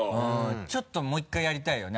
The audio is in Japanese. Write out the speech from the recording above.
ちょっともう１回やりたいよね。